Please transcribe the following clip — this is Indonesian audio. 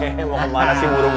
hehehe mau kemana sih buru buru